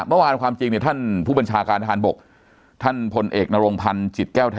เมื่อวานความจริงเนี่ยท่านผู้บัญชาการทหารบกท่านพลเอกนรงพันธ์จิตแก้วแท้